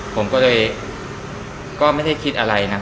ผมก็เลยก็ไม่ได้คิดอะไรนะ